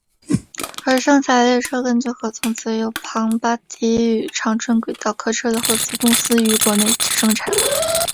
而剩下的列车根据合同则由庞巴迪与长春轨道客车的合资公司于国内生产。